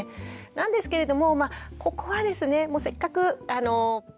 なんですけれどもまあここはですねもうせっかくママのね